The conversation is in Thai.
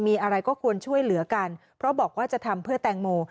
มีอะไรก็ควรช่วยเหลือกันเพราะบอกว่าจะทำเพื่อแตงโม